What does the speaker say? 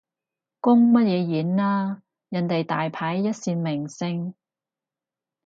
公乜嘢演啊，人哋大牌一線明星